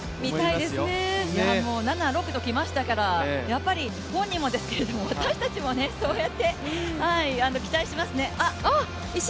７、６ときましたから、本人もですけど、私たちも、そうやって期待してますね。